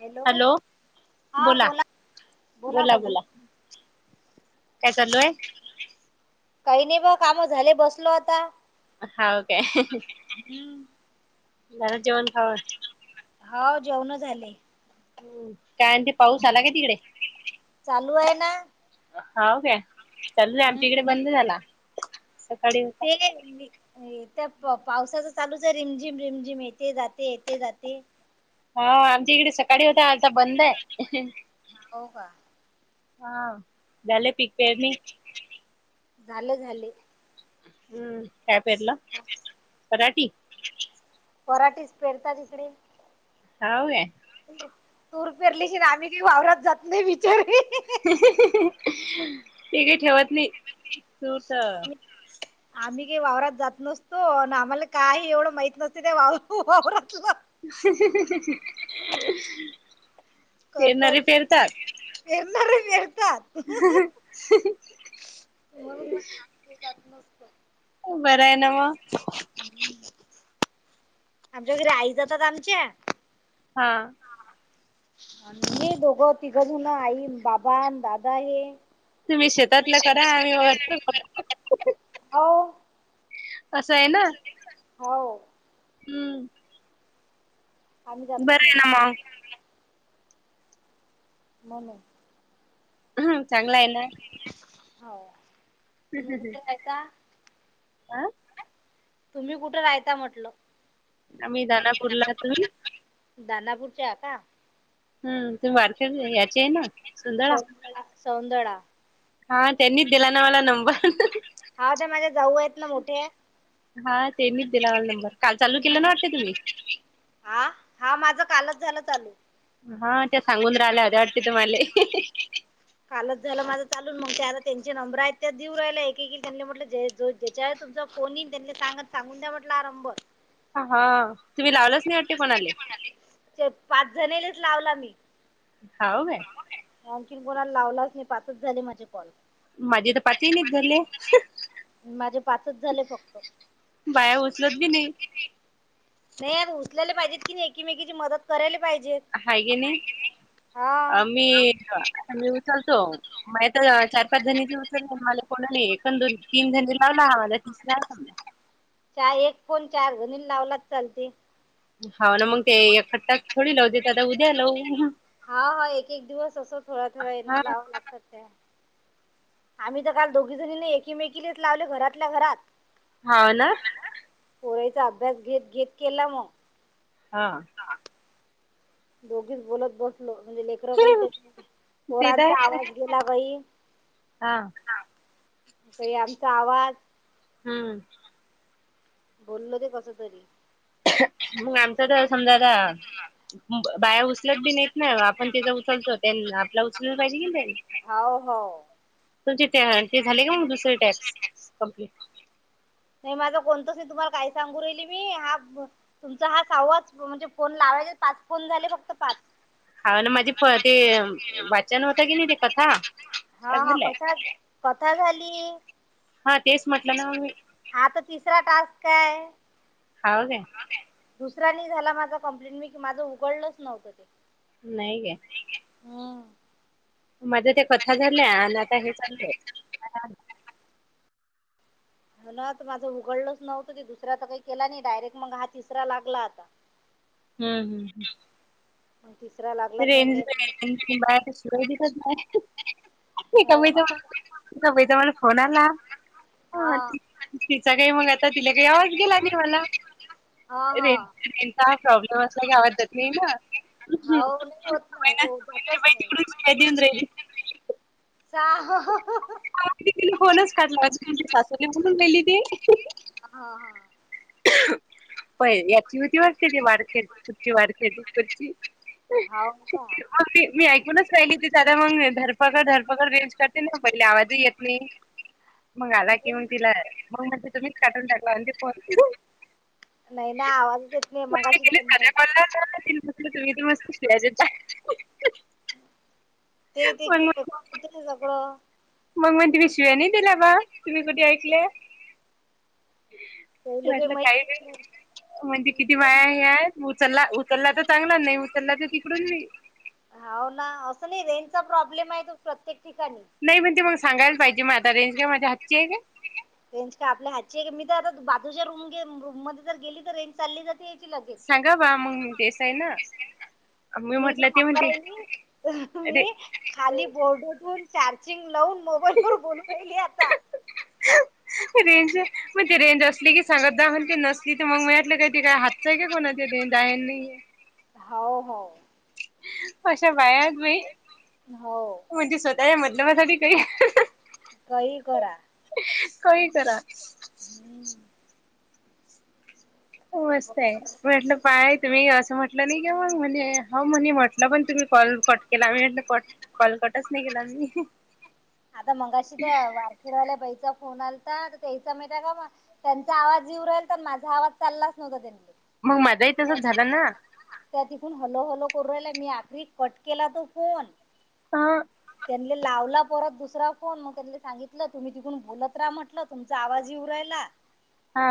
Hello हा बोला? बोला बोला काय चालू हाय? काही नाही बघा काम झाले बसलो आता [inaudible] हो जेवण झाले हम्म काय ते पाऊस आला काय तिकडे? चालू आहे ना- होव काय चालू आमच्या इकडे बंद झाला सकाळी होता ते त्या पावसाच चालूच रिमझिम रिमझिम येथे जाते येथे जाते हा आमच्या इकडे सकाळी होता आता बंद आहे हो का, हा झाले पीक पेरणी? झाले झाले हम्म काय पेरला पराठी? पराटीच पेरतात इकडे हवे तूर पिरलीशि ना आम्ही काही वावरात जात नाही बिचार ते काही ठेवत नाही तूट, मी वावरात जात नसतो आम्हाला काही एवढं माहत नसत ते वा वाात पेरणारे करतात पेरतात पेरणारे म्हणून म्हटलं [unintelligible] जात नसतं. बर आहे ना मग- आमच्या घरी आई जातात आमच्या हा अ दोघं तिघंचन आई बाबा दादा हे तुम्ही शेतातलं करा आम्ही वरच हो असं आहे ना हो हो हम्म आम्ही जातच बरं आहे ना नाही मग [unintelligible] हम्म चांगला आहे ना हो तुम्ही कुठ आहे का आं. तुम्ही कुठं राहयता म्हटल आम्ही दनापूरला तुम्ही दानापूरच्या आहे का हम्म त वारके याची आहे ना सुंदळा सौंदळा सौंदळा हा त्यांनीच दिला ना मला नंबर हा तर माझ्या जाऊ आहेतेत ना मोठे हा तेनीच दिला हल नंबर काल चालू केलं ना वाटते तुम्ही हा हा माझ कालच झालं चालू हा त्या सांगून राहिल्या हो वाटते तुम्हाला कालच झालं माझा चालून मग ते आता त्यांचे नंबर आहेत त्या देऊ राहिला एकेकी त्यांनी म्हटलं ज जो्याच्या तुमचा फोन येईन त्यांनी सांगत सांगून द्या म्हटला आरंबर हा तुम्ही लावलच नाही अटे कोणाले पाच जणलेच लावला मी हाव म न कोला लावलाच नाही पाचच झाले माझ्या माझी तर पाचवी नाहीच झाले माझे पाचच झाले फक्त बाया उचलत बी नाही नाही आ उचलेले पाहिजेत की नाही एकीमेकीची मदत करायला पाहिजेत हा गे नाही हा मी मी उचलतो मग तर चार पाच जणीचे उचर मला कोणा नाही एक दोन तीन जण लावला ह माझ तस चार एक फोण चार गणी लावलाच चालते होा ना मग ते एकख्ट थोडी लाव देत आता उद्या लव हा हा एक एक दिवस असं थोडा थोडा येना हा लाव लागतात आम्ही तर काल दोघी जणी नाही एकीमेकी लेत लावले घरातल्या घरात हा ना पुोरयचा अभ्यास घेत घेत केला मग हा दोघीच बोलत बसलो म्हणजे लेकरं काही ते तर आहे पोरांचा ना. आवाज गेला काही हा काही आमचा आवाज हम्म बोलल ते कस तरी मग आमचं तर समजाता बाया उचलत बि नाही येत ना आपण त्याचा उचलतो आपला उचललं पाहिजे की त्यां हो हो तुम ते झाले का मग दुसरे टॅक्स कमप्लिट नाही माझा कोणतच नाही तुम्हाला का सांगू राहिल मी हा तुमचा हा सावाच म्हणजे फोन लाव पाच कोण झाले फक्त पाच हाव ना माझी फ ते वाचन होतं की नाही ते कथा हा हा झालंय कथा कथा झाली हा तेच म्हटलं ना मी हा तर तिसरा टास्क काय हाव काय दुसऱ्यानी झाला माझा कंप्लेंट मी की माझं उघडलंच नव्हतं ते नाही ग. हम. माझ्या त्या कथा झाल्या आणि आता हे चाललू आहे. ह ना आता माझं उघडलच नव्हतं ते दुसऱ्याचा काही केला नाही डायरेक्ट मग हा तिसरा लागला आता. हम्म हम्म हम्. मग तिसरा ते लागलाच रेंज म्हणले बा ते सुर. कच क हो वचा म्ह फोन आला. हा तिचा काही मग आता तिला काही आवाज गेला नाही मला. हा हा रे रेंचा हा प्रॉब्लेम असला क आवडतात नाही ना. हम्म. हो मी होत ना बाई हो ती बटच बाई नाही. तिकडून शिव्या देऊन स. राहिली ति फोनच काढला त, सासूने म्हणून गेली ती. हा हा. प याची होती वाटते ती, वाारखे कुर्ची वाारखेती कुर्ची. हाव का मी ऐकूनच ली ती दादा मगधरपकड धरपकड रेंज करते, ना पहिले आवाजही येत नाही. मग आला कि मग नाही तिला मग म्हणज, तुम्हीच काटून टाकला आणि ते फोन. नाही ना [unintelligible] आवाजच येत नाही मगाशी ते म्हलं तुम्ही तर मस्त शिवाया देता, ते ते खेप म्हणते- होत ना सगळं. मग मग तु्ही शियाने दिला, बा तुम्ही कुठी ऐकले. त्याले वाटलं माहित काही नाही म्हणजे, त्याला काही किती माहित नाही. बाया हे उचलला. त्याला तर चांगला नाही, चला तर तिकडून मी. होा ना असं नाही रेंचा प्रॉब्लेम, आहे त प्रत्येक. ठिकाणी नाही म्हण ते मग सांगायला पाहिजे, मग आता रेंज का माझ्या हातची आहे का. रेंज का आपल्या हातची मी तर आता, बाजूच्या रूम रूम मध्ये जर गेली तर रेंज चालली. याची लगेच सांगा बा मग देसाई ना, मी मीी म्हटलं सां ते म्हणते आहे अरे मी खाली बोडून चारचिंग. लावन मोबाईल वर बोलू राहीली आता. रेंज मग ते रेंज असली की सांगत द, पण ते नसली तर मगटलं काही ते काय हातचंय का कोणा. डायन नाही आहे. हो हो. अशा बायात बाई, हो, त्या या मतलबासाठी काही. [unintelligible] कही करा, काही करा. हम्म नाही बघ मस्त आहे म्हटलं पाहा, तुम्ही असं म्हटलं नाही क मग, म्हणे ह म्हणे म्हटलं पण तुम्ही कॉल कॉट केला आम्ही म्हटलं कॉट कॉल. कटच नाही गेला मी. आता मगाशी द वारखेडवाल्या बाईचा. फोन आलता त्याचा माहिय का म त्यांचा, आवाज जीव राहील तर माझा आवाज चाललाच नव्हता त्यांनी. मग माझाही तसच झाला ना. त्या हलो हलो करू राहिला मी आखरी कट केला तो फोन. हं. लाव परत दुसरा फोन मग त्या सांगितलं तुम्ही, तिकून बोलत राहा म्हटलं तुमचा आजही उवरायला. हा.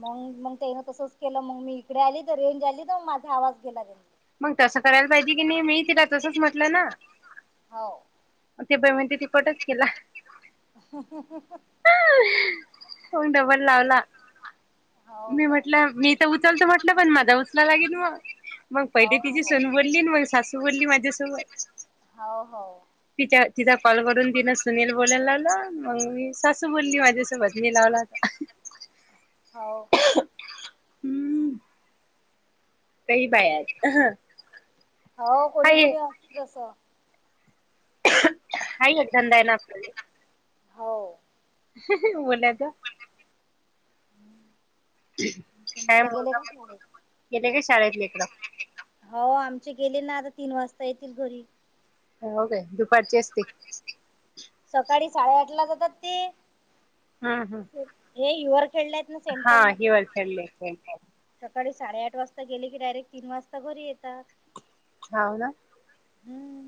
मग मग त्यान तसंच केलं मग, मी इकडे आली तर रेंज आली तर मग माझा आवाज गेला ग. मग तसं करायला पाहिजे की नाही, मी तिला तसंच म्हटलं ना. हो, ते बई म्हण ते तुकटच केला, [unintelligible] डाबल लावला, हो मी का म्हटलं मीथ उचल तर म्हटलं, पण माझा उचला लागेल मग व, मग हो पहिले तिची सुन हो बोलली मग, सासू बोलली माझ्यासोबत हो हो तिच्या, ता कॉल करून तिनं, सुनील बोलायला लावलं मग मी सासू बोलली माझ्यास मी लावलाता, [unintelligible] हो का, हम्म, काही पाया हो कोणी कोणी आहे अस काय एकधंदा आहे ना? हो बोलत रहा तुमचे काय मुलं गेले मुलगा का शाळेत? गेले काय शाळेत लेकरं? हो आमचे गेले ना आता तीन वाजता येतील घरी. ह हो काे दुपारची असती. सकाळी साडेआठ ला जातात ते हम्म हम्म ये युअर हा हिवाळ फेडले सकाळी साडेआठ वाजता गेले की डायरेक्ट तीन वाजता घरी येतात. हा हो ना हम्म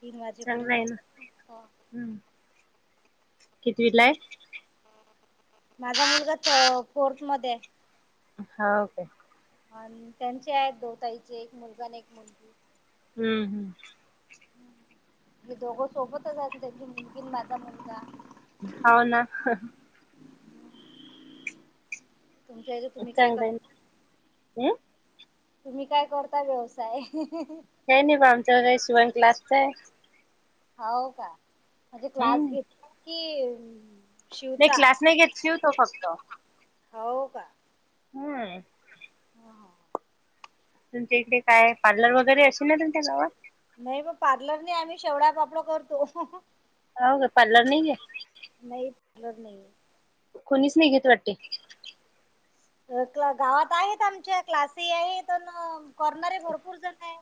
तीन वाजेपर्यंत चांगला आहे ना ब कित वीला हाय? माझा मुलगा फोर्थ मध्ये हाय. हा काे आणि त्यांचे आहेत दोन ताई चे एक मुलगा, आणि एक मुलगी, हम्म हम्म, दोघं सोबतच आहेत त्यांची मुमकीन माझा म्हणता होव ना? तुमच्या इथ तुम्ही काय करता? ह तुम्ही काय करता व्यवसाय? हे नाही बा आमचं काही शिवण क्लासच आहे. हो का म्हणजे क्लास हम्म घेतला की नाही क्लास नाही घेतचीू तो फक्त हो का? हम् ह ह तुमच्या इकडे काय पार्लर वगैरे अस नाही मग पार्लर नाही आम्ही शेवडा बापड करतो. राग पलर नाही गे. नाही पलर नाही. कोणीच नाही घेत वाटते. गावात आहेत आमच्या क्लास आहेत कॉर्नर भरपूर जण आहे.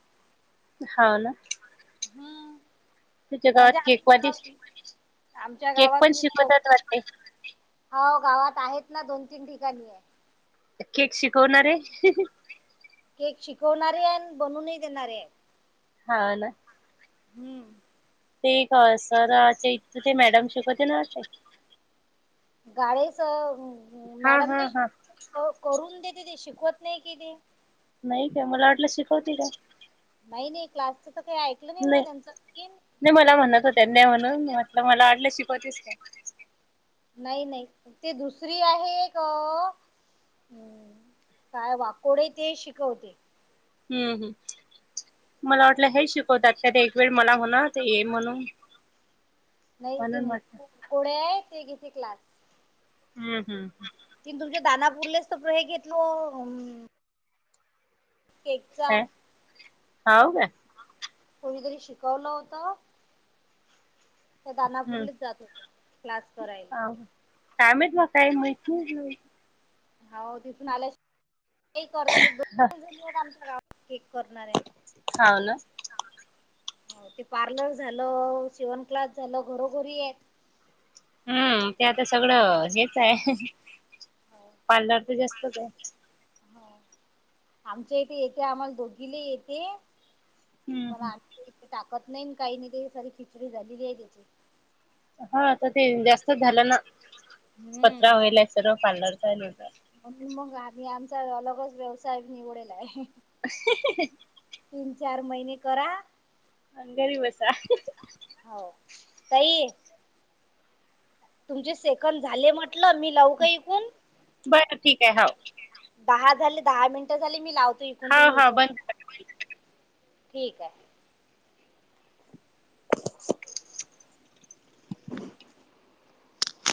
हो ना? हम तुझ्या गावात म्हणजे आमच्या केकवाली गाव आमच्या केक गावात पण मी राऊ शिकवतात वाटते हो गावात आहेत ना दोन तीन ठिकाणी आहे. केक शिकवणार आहे हह केक शिकवणारे अन बनूनही देणारे आहे. हा ना? हम्म ते का सराच्या इथे ते मॅडम शिकवते नाते? गाळेस हा मॅडमने हा करून देत ते शिकवत नाही कितीते नाही काय मला वाटलं शिकवती का? नाही नाही क्लासच तर काही ऐकलं म्हणा नाही त्यांचं की नाही मला म्हणत होत्या नाही म्हणून म्हटलं मला वाटलं शिक पच्चीस काय? नाही नाही ते दुसरी आहे एक हम्म काय वाकोडे ते शिकवते. हम्, हम् मला ते वाटलं हे शिकवतात कधी एक वेळ मला होणार ये म्हनु नाही ते म कोडे आहे ते घेते क्लास. हम्, हम्, हम्. ती तुमच्या दानापुरलेस हे घेतलो केकचा हां काय? कोणीतरी शिकवलं होतं. त्या हम्म दानापूरलेच जात होत क्लास करायला काम काय माहित म काही महित नाही बाई हाव तिथून आल्या की [inaudible] आमच्या गावात केक करणार आहे. हाव ना हो ते पार्लर झालं, शिवन क्लास झालं, घरोघरी हेत. हम्म ते आता सगळं हेच हाय पालरच जास्तच आहे. ह आमच्या इथे येते आम्हाला दोघीले येते. पण हम्म [unintelligible] टाकत नाही काही नाही ते सारी खिचडी झालेली आहे त्याची हाता ते जास्तच झालं ना? हम्म. कचरा होईले सर्व [unintelligible] चालेचा म्हणून मग आम्ही आमचा [unintelligible] व्यवसाय निवडलाय. [unintelligible] तीन चार महिने करा आण घरी बसा. हो. ताई तुमचे सेकंद झाले म्हटलं मी लाऊ का एकूण बरं ठीक आहे हाव. दहा झाले दहा मिनटं झाली मी लावतो इथून हाव तुम्ही हाव बंद उचलता ठीक आहे. [inaudible]